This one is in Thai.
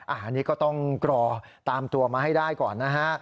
อันนี้ก็ต้องรอตามตัวมาให้ได้ก่อนนะฮะ